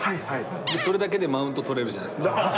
それだけでマウント取れるじゃないですか。